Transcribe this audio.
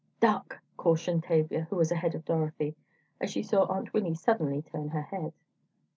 "Duck!" cautioned Tavia, who was ahead of Dorothy, as she saw Aunt Winnie suddenly turn her head.